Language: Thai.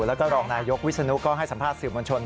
แล้วก็รองนายยกวิศนุก็ให้สัมภาษณ์สื่อมวลชน